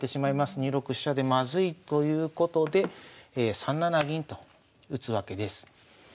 ２六飛車でまずいということで３七銀と打つわけです。